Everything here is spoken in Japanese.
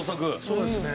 そうですね。